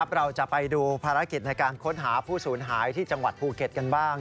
เราจะไปดูภารกิจในการค้นหาผู้สูญหายที่จังหวัดภูเก็ตกันบ้าง